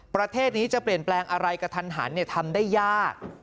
ประเทศนี้จะเปลี่ยนแปลงอะไรกระทันหันทำได้ยาก